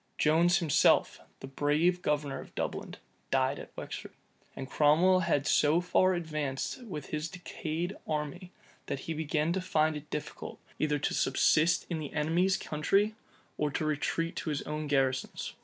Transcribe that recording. Jones himself, the brave governor of Dublin, died at Wexford. And Cromwell had so far advanced with his decayed army, that he began to find it difficult, either to subsist in the enemy's country, or retreat to his own garrisons.